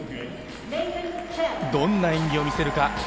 どんな演技を見せるか？